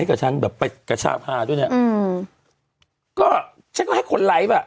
กับฉันแบบไปกระชาพาด้วยเนี้ยอืมก็ฉันก็ให้คนไลฟ์อ่ะ